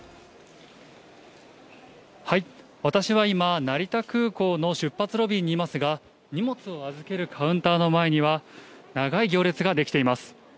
私は今、成田空港の出発ロビーにいますが、荷物を預けるカウンターの前には、長い行列が出来ています。